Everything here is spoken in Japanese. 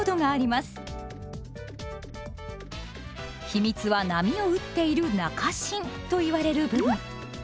秘密は波を打っている中芯といわれる部分。